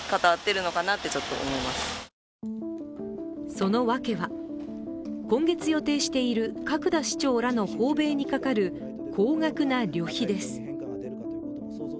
その訳は、今月予定している角田市長らの訪米にかかる高額な旅費です。